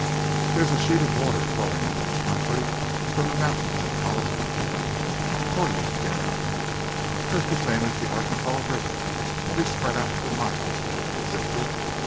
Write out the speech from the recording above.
There's a sheet of water flowing under this country from the mountains in Colorado." "Oh, you git out!" "Just the same as the Arkansas River, only spread out for miles," Morgan insisted.